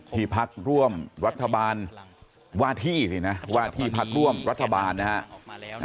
ที่พักร่วมรัฐบาลวาธิสินะวาธิพักร่วมรัฐบาลนะครับ